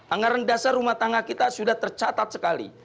dua ribu delapan anggaran dasar rumah tangga kita sudah tercatat sekali